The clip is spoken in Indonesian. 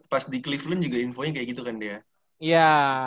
pas di cleveland juga infonya kayak gitu kan dia